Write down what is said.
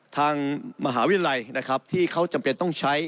ทางมหาวิทยาลัยนะครับที่เขาจำเป็นต้องใช้